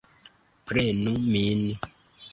Prenu min!